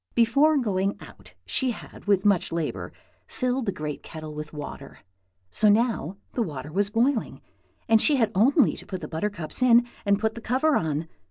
Before going out she had with much labor filled the great kettle with water, so now the water was boiling, and she had only to put the buttercups in and put the cover on.